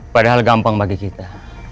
padahal gampang bagi kita